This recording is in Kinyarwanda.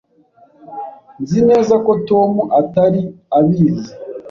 Nzi neza ko Tom atari abizi.